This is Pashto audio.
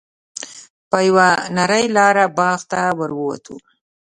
په یوه نرۍ لاره باغ ته ور ووتو.